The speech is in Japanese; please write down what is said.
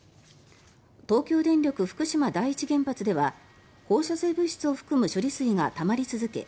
東京電力福島第一原発では放射性物質を含む処理水がたまり続け